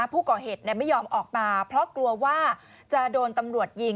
ผู้ก่อเหตุไม่ยอมออกมาเพราะกลัวว่าจะโดนตำรวจยิง